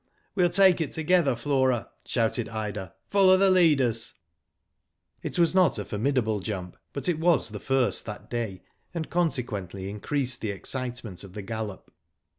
"We'll take it together, Flora/' shouted Ida, /'follow the leaders/' It was not a formidable jump, but it was the first that day, and, consequently, increased the excitement of the gallop.